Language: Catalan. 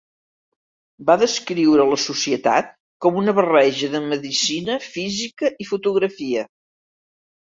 Va descriure la societat com una barreja de medicina, física i fotografia.